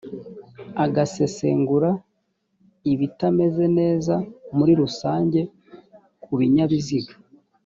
agasesengura ibitameze neza muri rusange ku binyabiziga